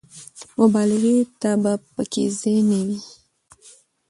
مبالغې ته به په کې ځای نه وي.